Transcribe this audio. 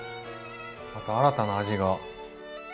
また新たな味が。